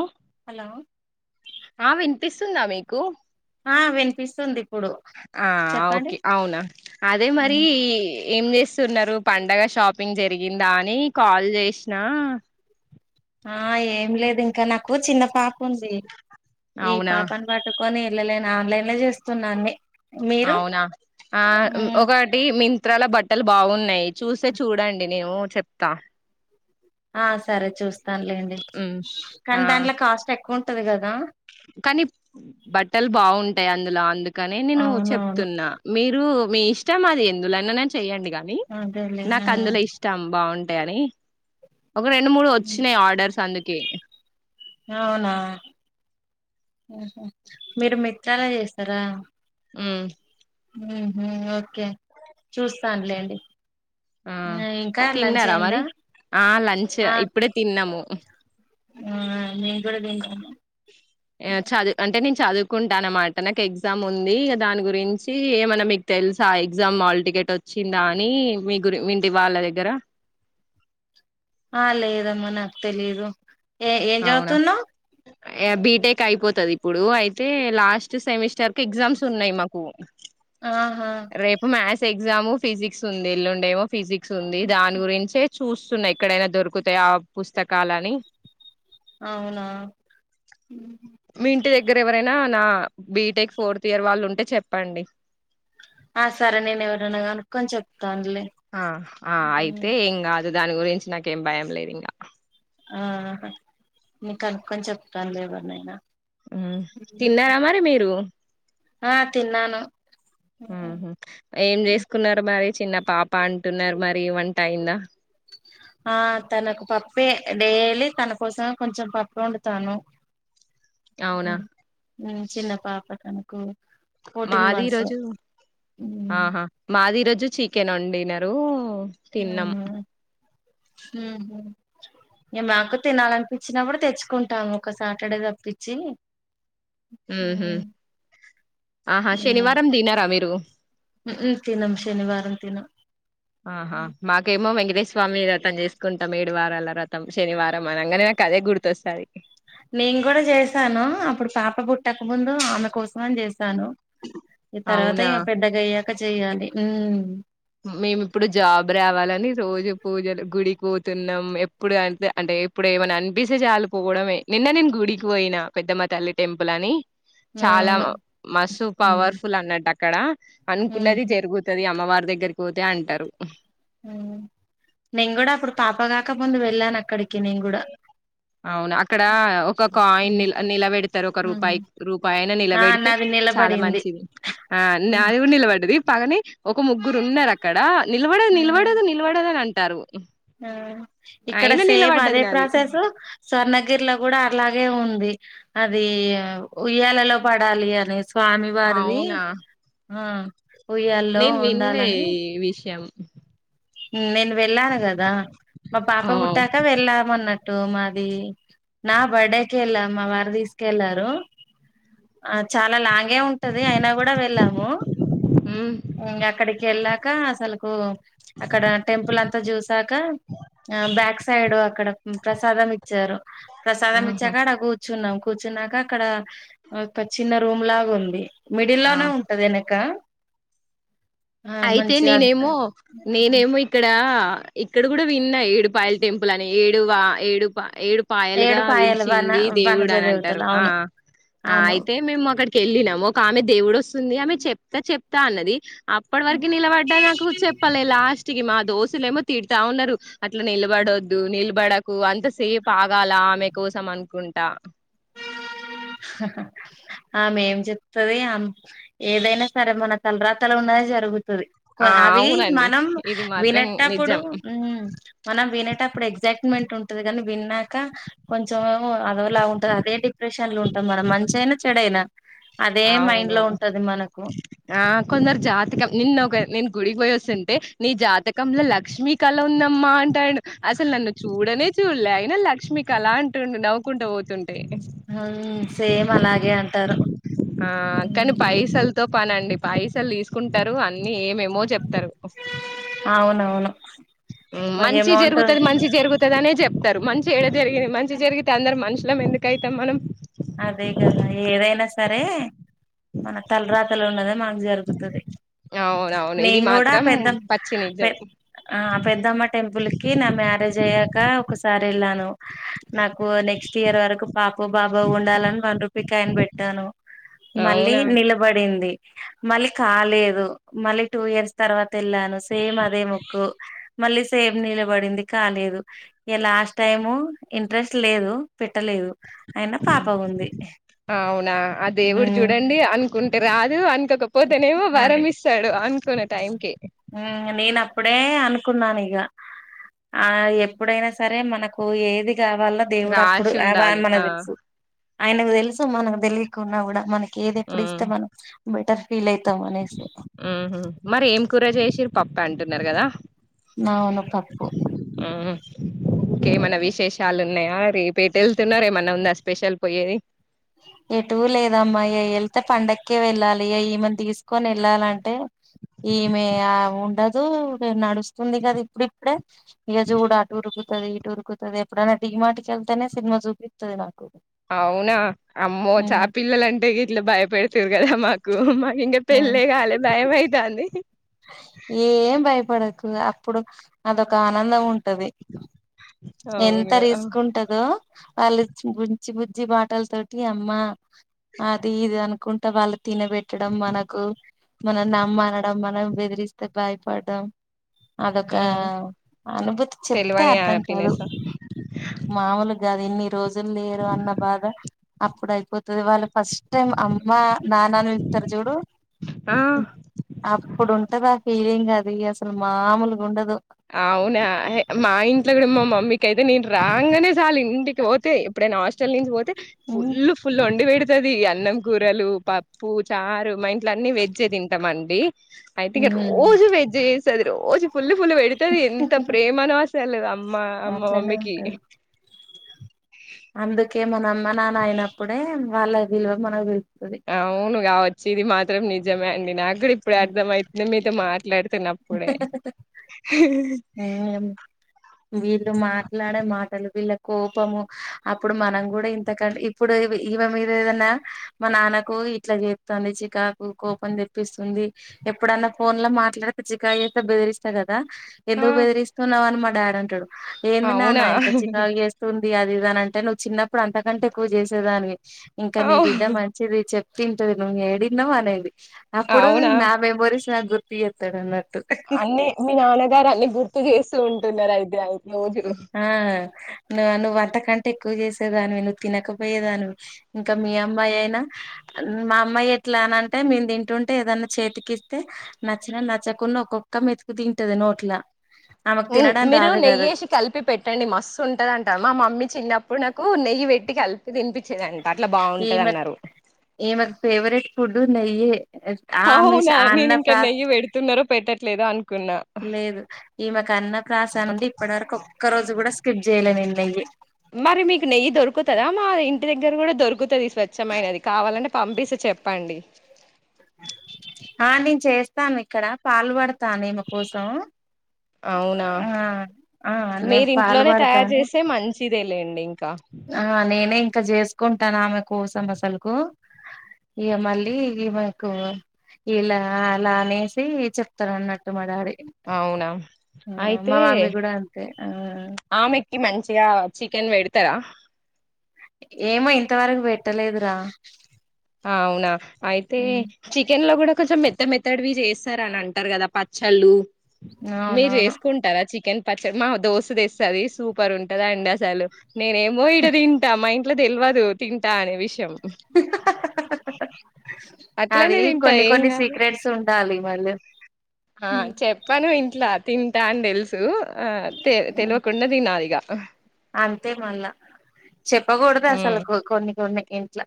ఓ hello పిస్తుందా మీకు ఆ వినిపిస్తుంది ఇప్పుడు ఆ చెప్పండి ఓకే అవునా అదే మరి ఉమ్, ఏం చేస్త్ స్తున్నారు పండగ షాపింగ్ జరిగిందా అని కాల్ చేసినా ఆ ఆ ఏం లేదు ఇంకా నాకు చిన్న పాప ఉంది ఈ అవునా పాపని పట్టుకోని పిల్లలేని ఆన్లైన్ లో చేస్తున్నాన్ని అవునా ఆ ఒక్కటి మీ చిత్రాల బట్టలు బావున్నా య్ చూస్తే చూడండి నేను చెప్తా ఆ సరే చూస్తానులేండి ఉమ్ ఆ కానీ దాంట్ల కాస్ట్ ఎ ఉంటది కదా కానీ బట్టలు బాగుంటాయి అందులో అందు కానే నేను అవునవును చెప్తున్నా మీర్ రు మీ ఇష్టం అది ఎందులోనైన చెయ్యండి. ఆని అదేలే ఆ నాకు అందులో ఇష్టం బాగుం టని ఒక రెండు మూడు ఉమ్, వోచ్చినాయి ఆర్డర్స్ అందుక్ కే అవునా హుహు మీరు మెత్తల చేస్తారా మ్ హ్ హ్ ఓకే చూస్తాన్లేండి ఆ తిన్నారా అయిందా మరి ఆ లంచ్ ఆ ఇప్పుడే తిన్నాము అస్ మేము కూడా తింటాము యా చద్ అంటే నేను చదువ్ కుంటాన అన్నమాట. నాకు ఎగ్జామ్ ఉంది దాని గురించి ఏమన్నా మీకు తెలుసా ఎగ్జామ్ హల్ టికెట్ వచ్చిందా అని మీ గురి ఇంటి వాల్ల దగ్గర ఆ లేదమ్మ నాకు తేలిదు ఏ ఏం అవునా చదువుతున్నావ్ బీటెక్ అయిపోతది. ఇప్పుడు అయితే లాస్ట్ సెమిస్టర్ కి ఎగ్జామ్స్ ఉన్నాయి. మాకు ఆహా ఎగ్జాము ఫిజిక్స్ ఉంది ఎల్లుండి ఏమో ఫిజిక్స్ ఉంది దాని గురించే చూస్తున్నా ఎక్కడైనా దొరుకుతాయ ఆ పుస్తకాలని అవునా మీ ఇంటి దగ్గర ఎవరైనా నా బీటెక్ ఫోర్త్ ఇయర్ వాళ్ళు ఉంటే చెప్పండి. ఆ సరే నేను ఎవరినైనా కనుక్కొన్ చెప్ ఆ ఆ అయితే ఇంగ దాని గురించి నాకేం భయం లేదింగ ఆహా నేన్ కనుకోని చెప్తాను లే ఎవరినైనా హ్ తిన్నారా మరి మీరు ఆ తిన్నాను హ్ హ్ ఏం చేసుకున్నారు మరి చిన్న పాప అంటున్నారు మరి వంట అయిందా ఆ తనకు పప్పే డైలీ తన కోసం కొంచెం పప్పే వండుతాను అవునా మ్ చిన్న పాప తను కు మాది ఈరోజు ఆహా మాది ఈరోజు చికెన్ వండినరు మ్మ్ హ్మ్ హు మాకు తినాలనిపించినప్పుడు తెచ్చుకుంటాము ఒక సాటర్డే తప్పిచ్చి మ్ హ్ హ్మ్ హు తినం శనివారం తినం ఆహా మాకేమో వెంకటేశ్ స్వామి రథం చేసుకుంటాం ఏడు వారాల రథం శనివారం అనంగానే నాకు అదే గుర్తొస్తది నేను కూడా చేసాను అప్పుడు పాప పుట్టక ముందు ఆమె కోసం అని చేస్ శాను ఈ తర్వాత అవునా ఇంగ పెద్దగా అయ్య చెయ్యాలి హుమ్ మేమ్ ఇప్పుడే జాబ్ రావాలని రోజు పూజలు గుడికి పోతున్నాం ఎప్పుడు అే అంటే ఎప్పుడు ఏమనా అనిపిస్తే చాలు పోవడమే నిన్న నేను గుడికి పోయినా పెద్దమ తల్లి టెంపుల్ అని చాలా అవును మస్తు ఉమ్ పవర్ఫుల్ అన్నట్టు అక్కడ ఉమ్ అనుకున్నది జరుగుతది అమ్మవారి దగ్గరిక్ పోతే అంటరు మ్మ్ నేను కూడా అప్పుడు పాప కాక ముందు వెళ్ళాను అక్కడికి నేను కూడా అవును అక్కడ ఒక కాయిన్ ఉమ్ నిల నిలబెడతారు ఒక ఉమ్ రూపాయి రూపాయి అయినా ఆ నిలబెడితే నాది చాలా నిలబడింది మంచిది ఆ ఉమ్ నాది కూడా నిలబడ్డది పగని ఒక ముగ్గురు ఉన్నారు అక్కడ నిలబడదు నిలబడదు నిలబడదు అని అంటారు మ్మ్ ఇక్కడ అయినా సేమ నిలబడ్డది నాది ప్రాసెస్సు స్వర్ణ గిరిలో కూడా అట్లాగే ఉంది అది ఉయ్యాలలో పడాలి అనేసి స్వామివారిది అవునా ఆ ఉయ్యాల్లో నేను విన్లే ఉండాలని ఈ విషయం నేను వెళ్ళాను కదా మా పాప ఆ పుట్టాక వెళ్ళామన్నట్ టు మాది నా బర్డే కెళ్ళాం మా వారు తీసుకెళ్లారు చాలా లాంగ్ గే ఉంటది అయినా కూడా వెళ్ళాము హ్మ్ ఇంగ అక్కడికి వెళ్ళ కా అసలుకు అక్కడ టెంపుల్ అంతా చూసాక బ్యాక్ సైడ్ అక్కడ ప్రసాదం ఇచ్చారు ప్రసాదం ఆహా ఇచ్చాకడ కూర్చున్నాం కూర్చున్నాక అక్కడ ఒక చిన్న రూమ్ లాగా ఉంది మిడిల్ ఆ లోనే ఉంటది వెనక ఆ అయితే నేనేమో మంచిగా నేనేమో ఇక్కడ ఇక్కడ కూడా విన్నా ఏడుపాయల్ టెంపుల్ అని ఏడువా ఏడుపా ఏడు ఏడు పాయలుగా పాయలు వన పీలిచింది వనజ దేవుడు అని దేవతలు అంటారు ఆ అవును ఆ అవును అయితే మేము అక్కడి పెళ్ళినాము ఒక ఆమె దేవుడు వస్తుంది ఆమె చెప్తా చెప్తా అన్నది అప్ అప్పటి వరకు నిలబడ్డా నాకు చెప్పలే లాస్ట్ కి మాద్ దోసిలేమో తిడతా ఉన్నారు అట్లా నిలబడొద్దు నిలబడకు అంత సేపు ఆగాల ఆమె కోసం అనుకుంటా ఆమె చెప్తుది ఏదైనా సరే మన తల రాతలో ఉన్నది జరుగుతు ఆ అవి అవునండి మనం ఇది మాత్రం వినేటప్పుడు నిజం మనం వినేటప్పుడు ఎగ్జైట్మెంట్ ఉంటది కానీ విన్నాక కొంచెం అదోలా ఉంటది అదే డిప్రెషన్ లో ఉంటు మరి మంచి అయినా చెడ అయినా అవును ఆ కొందరి జాతికి నిన్న నిన్ గుడికి పోయ్య స్ సేంటే నీ జాతకంలో లక్ష్మీ కళ ఉందమ్మా అంటాడు అసలు నన్ను చూడనే చూలే అయినా లక్ష్మి కలా అంటుండు నవ్వుకుంటూ పోతుండు హ సేమ్ అలాగే అంటారు ఆ కాని మ్ పైసలతో పనండి పైసలు తీసుకుంటారు అన్ని ఏమేమో చెప్తారు అవునవును మంచిి అమౌంట్ జరుగుతది మంచిి జరుగుతది అనే జప్ చెతారు మంచి ఎక్కడ జరిగిినంది మంచి జరిగితే అందరు మనుషులం ఎందుకైతే మనం అదే కదా ఏదైనా సరే మన తల రాతలు ఉన్నద మనకు జరుగుతుది అవునవును ఇది నేను కూడా మాత్రం పెద్ద పచ్చి నిజం ఆ పెద్దమ్మ టెంపుల్ కి నా మ్యారేజ్ అయ్యాక ఒక సార్ వెళ్ళను నాకు నెక్స్ట్ ఇయర్ వరకు పాప ఓ ఉండాలని బండ్రు ప్పి కా అయన్ పెట్టాను మళ్ళీ అవునా నిలబడింది మళ్ళీ కాలేదు మళ్ళీ టూ ఇయర్స్ తర్వాత వెళ్ళాను సేమ్ అదే ముక్కు మళ్ళీ సేమ్ నిీలబడింది కాలేదు ఇక లాస్ట్ టైము ఇంట్రెస్ట్ లేదు పెట్టలేదు అయినా పాప ఉంది అవునా ఆ దేవుడు ఉమ్ చూడండి అను కుంటే రాదు అని ఇకపోతేనేమో భారంమి ఇస్తాడు అనుకున్న టైంకి హ నేనప్ప అప్పుడే అనుకున్నాను ఇగ ఆ ఎప్పుడైనా సరే మనకు ఏది కావాల దేవుడు అప్పుడు రాసి ఆవా ఉండాలి అని ఆ మనకు తెలుసు ఆయనకు తెలుసు మనకు తెలియకున్నా కూడా మనకి ఏది ఎప్పుడు హ్మ్ ఇస్తే మనం బెటర్ ఫీల్ అయితా మానేసి ఊహూ మరి ఏం కూర చేసిరు పప్పా అంటున్నారు కదా నావును పప్పు ఏమన్నా విశేషాలు ఉన్నాయా రేపేటు వెళ్తున్నారు ఏమన్నా ఉందా స్పెషల్ పోయేది ఎటు లేదమ్మా ఇ వెళ్తే పండక్కే వెళ్ళాలి ఇ ఈమని తీసుకొని వెళ్ళాలంటే ఈమె ఆ ఉండదు అ నడుస్తుంది కదా ఇప్పుడిప్పుడే ఇగ చూడు ఆటుఊరుకు అటు ఇటు ఊరుకుతది ఎప్పుడైనా డీమర్ట్టికి వెళ్తేనే సినిమా చూపిస్తుంది నాకు అవునా అమ్మో చా మ్మ్ పిల్లలంటే గ ఇట్లా భయపెడతరు కదా మాకు కుమ ఇంగ పెళ్ల్ళగాలే మ్మ్ భయంమైతాంది ఏం భయపడకు అప్పుడు అదొక ఆనందం ఉంటు ఎంత అవును ఆ రిస్క్ ఉంటాదో వాళ్ళు గుంచి [unintelligible] బజ్జి బుజ్జి మాటల తోటి అమ్మా అది ఇది అనుకుంటా వాళ్ళకి తినబెట్టడం మనకు మనం నమ్మనడం మనం బయపడ్డం అదొక హ్మ్ అనుభూతి చెప్తే తెలవని అర్థం కాదు హ్యాపీనెస్ మామూలుగా కాదు ఇన్ని రోజులు లేరు అన్న బాధ అప్పుడు అయిపోతది వాళ్ళు ఫస్ట్ టైమ్ అమ్మా నాన్నను పిలుతారు చూడు ఆ అపు ఉంటదా ఫీలింగ్ అది అసలు మామూలుగా ఉండదు అవునా మా ఇంట్లో కూడా మా మమ్మీకి అయితే నేను రాంగానే చాలు ఇంటికి పోతే ఇప్పుడైనా హాస్ చల్లింది పోతే ఉమ్ ఫుల్ ఫుల్ వాన్డి పేడ్ వస్తది అన్నం కూరలు పప్పు చారు మా ఇంట్ల అన్నిీ వెజ్జే తింటామ అండి అయితే ఇగ హ్మ్ రోజు వెజ్ ఈ చేశారు రోజు ఫుల్ ఫుల్ అది ఎంత ప్రేమనో అసలు అమ్మ మా అట్లనే మమ్మీ కి ఉంటది మనం అమ్మ నాన్న అయినప్పుడే వాళ్ళ విలువ మన అవును కావచ్చి ఇది మా అది మాత్రం నిజమే ఇప్పుడు అర్థమైతుంది మీ మాట్లాడు వీళ్ళు మాట్లాడే మాటలు వీళ్ళ కోపము అప్పుడు మనం కూడా ఇంతకంటే ఇప్పుడు ఇవ మీద ఏదన్నా మా నాన్నకు ఇట్లా చెప్తుంది చికాకు కోపం తెప్పిస్తుంది ఎప్పుడన్నా ఫోన్ లో మాట్లాడి చ్చికకాయి ఎంత బెదిరిస్ష్ట గా ఆ ఎందుకు బెదిరిస్తూ నవ అమా డరంటడు ఏంద నానా అవునా ఇంత చికాకు చేస్తు ఉ అది అది ఇదని అంటే నువ్వు చిన్న ఇప్పుడు అంతకంటే ఎక్కువ చేసేదానికి ఇంకా నీ అవు బిడ్డ మంచిది చెప్ తింటది నువ్ ఏంద మనది ఆప్పుడు అవునా నా మెమోరీస్ జగగుత ఎక్కడున్నాడు అన్ని మీ నాన్నగారు అన్ని గుడ్ చేస్తూ ఉంటున్నారు అయితే అయితే నవుజ నువ్వ అంతకంటే ఎక్కువ చేసేదానివి నువ్వు తినకపోయేదానివి ఇంకా మీ అమ్మాయి అయినా మా అమ్మాయి ఎట్లా అన అంటే మేము తింటుంటే ఏదన్నా చేతికి ఇస్తే నచ్చిన నచ్చకుండా ఒక్కొక్క మెతుకు తింటది నోట్లా ఆమకు తినడం మీరు రాదు కాద నెయ్యేసి కలిపి పెట్టండి మస్తు ఉంటదింటా మా మమ్మీ చిన్న అప్పుడు నాకు నెయ్యి పెట్టి కలిపి తినిపించేది వచ్చేదంట అట్లా బాగుంటది అన్నారు ఫడు నయే ఆమె అవునా అన్న నేను ఇంకా ప్రస నెయ్యి పెడుతున్నారో పెట్టట్లేదో అనుకున్నా లేదు ఈమెకు అన్నప్రాసనడి ఇప్పటివరకు ఒక్క రోజు కూడా స్కిప్ చేయ్యలే నేను నెయ్యి మరి మీకు నెయ్యి దొరుకుతుందా మా ఇంటి దగ్గర కూడా దొరుకుతుంది స్వచ్ఛమైనది కావాలంట పంపిసి చెప్పండి ఆ నేను చేస్తాను ఇక్కడ పాలు పడతానుమ కోసం అవునా ఆ ఆ నేను మీరి పాలు ఇంట్లోనే తయారు పడతాను చేసే మంచిది చిదే లేండి ఇంకా ఆ నేనే ఇక్క చేసుకుంటాను ఆమె కోసం అసలుకు ఇక మళ్ళీ ఈమెకు ఇలా అలా అనేసి చెప్తాను అన్నట్టు మాడాడి అవునా అయితే మమ్మీ కూడా అంతే ఆ ఆమెకి మంచిగా చికెన్ పెడతారా ఏమో ఇంతవరకు పెట్టలేదురా అవునా అయితే చికెన్ లో కూడా కొంచెం మెత్త మెత్తడువి చేస్తారని అంటారు కదా పచ్చళ్ళు మీరు అవునవును వేసుకుంటారా చికెన్ పచ్చడి మా దోశ తెస్తది సూపర్ ఉంటది అండి అసలు నేనే మో ఇడ తింటా మై ఇన్ అట్లా తెల్వదు తింటా అనే విషయం మ్మ్ అది తింటా కొన్ని ఏం కొన్ని కాదు సీక్రెట్స్ ఉండాలి మళ్ళీ ఆ చెప్పను ఇంట్లా తిన్ టా అని తెలుసు ఆ తె తెలివకుండ తినాలిగా ఆన్తేమళ్ళ చెప్పకూడదు అసలు ఉమ్ కొన్ని కొన్ని ఇంట్లా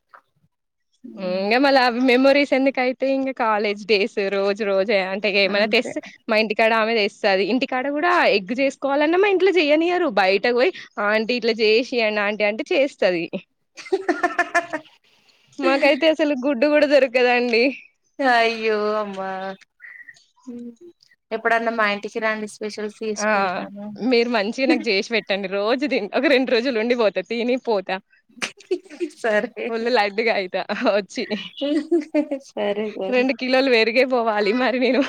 మ్మ్ ఇంగా మళ అవి మేమోరీస్ ఎందుకైతే ఇంకా కాలేజ్ డేస్ రోజ్ రోజు అంటే ఏమైనా తెస్ అంతే మా ఇంటికాడ ఇట్ల చేస్తాది ఇంటికాడ కూడా ఎగ్ చేసుకోవాలన్నా మా ఇంట్లో చేయనియరు బయటకు పోయి ఆంటీ ఇట్లా చేసియండి ఆంటీ అంటే చేస్తది మాకైతే అసలు గుడ్డు గుడా దొరక్ కదండి అయ్యో అమ్మా ఎప్పుడన్న మా ఇంటికి రండి స్పెషల్స్ చేసి ఆ పెడతాను మీరు మంచిగా నాక్ చేసి పెట్టండి రోజు తింట్ ఒక రెండు రోజులు ఉండిపోత తిని పోత త సరే ఒళ్ళ లడ్డుగా అయితా వచ్చి సరే సరే రెండు కిలోలు పెరిగే పోవాలి మరి నేను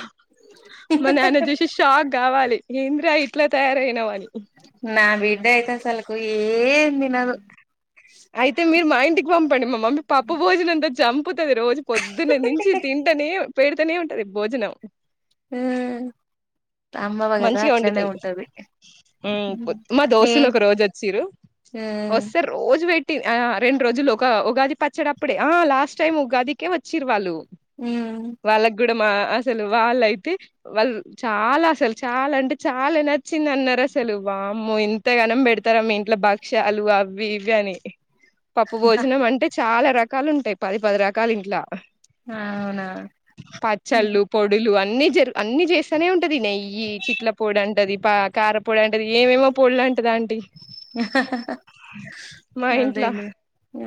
మా నాన్న చూసి షాక్ కావాలి ఎంద్రా ఇట్లా తయారయినవని నా బిడ్డ అయితే అస్సల్ కో ఏందినదు అయితే మీరు మా ఇంటికి పంప్ పడి మా మమ్మీ పప్పు భోజనం తెచ్ చంప్ తతుది రోజు పొద్దున్నే నుంచి తింటనే పెడితనే ఉంటది భోజనం మ్మ్ మంచిగా వండుతది మ్మ్ మా నే దోస్తులు ఒక రోజు వచ్చిరు వస్తే రోజు పెట్ ట్ ఆ రెండు రోజులు ఒక ఉగాది పచ్చడప్పుడే ఆ లాస్ట్ టైమ్ ఉగాదికే వచ్చిరూ వాళ్ళు మ్మ్ వాళ్ళకి కూడా మా అసలు వాళ్ళయితే వాళ్ళు చాలా అసలు చాలా అంటే చాలా నచ్చింది అన్నారు అసలు వామ్మో ఇంత గానం పెడతార మీ ఇంట్లో భక్ష్యాలు అవి ఇవి అని పప్పు భోజనం అంటే చి చాలా రకాలు ఉంటాయి పది పది రకాలు ఇంట్లా అవునా పచ్చళ్ళు పొడులు అని అన్ని జ అన్ని చేస్తానే ఉంటది నెయ్యి ఈ చిట్ల పొడి అంటది పా కారపొడి అంటది ఏవేవో పొడులు అంటది అంటీ అదేలే హు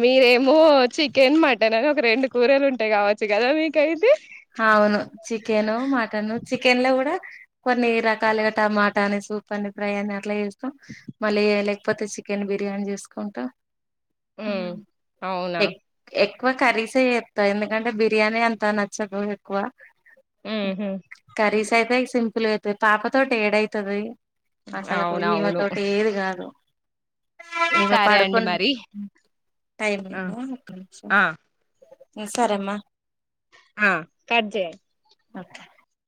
మీరే మో చికెన్ మటన్ అని ఒక రెండు కూరలు ఉంటాయి కావచ్చు కదా మీకైతే అవును చికెను మటన్ చికెన్ లో కూడా కొన్ని రకాలుగా టమాటా అని సూప్ అని ఫ్రై అని అట్లా చేస్తాం మళ్ళీ లేకపోతే చికెన్ బిర్యానీ చేూసుకుంటాం ఉమ్ అవునా ఎక్కు కరీస్ే చేస్తా ఎందుకంటే బిర్యానీ అంత నాక్ చ్చదు ఎక్కువ ఉహు కర్రీస్ ైత సింపుల్గా అవుతది పాపతోోటి ఏడవుతది ఆ సలకు ఈమె అవునవును తోటి ఏది కాదు ఈగ సరే అండి పడుకున్న మరి టైం ఆ ఒక నిమిషం ఆ సరే అమ్మా ఆ కట్ చేయండి ఓకే